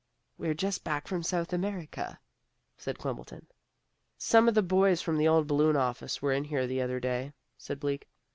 "We're just back from South America," said Quimbleton. "Some of the boys from the old Balloon office were in here the other day," said Bleak.